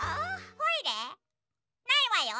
ないわよ。